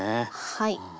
はい。